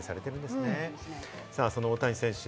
その大谷選手。